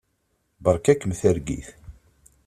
Beṛka-kem targit.